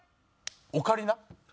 オカリナ？